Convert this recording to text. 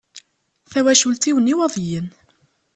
Tawacult-iw n Iwaḍiyen.